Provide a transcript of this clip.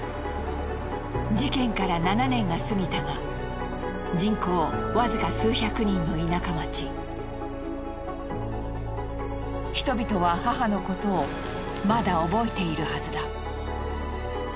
事件から７年が過ぎたが人口わずか数百人の田舎町人々は母のことをまだ覚えているはずだ。